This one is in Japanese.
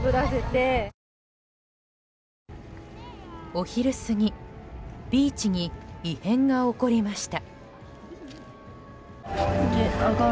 お昼過ぎビーチに異変が起こりました。